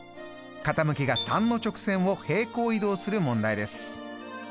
傾きが３の直線を平行移動する問題です。